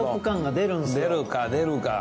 出るか出るか。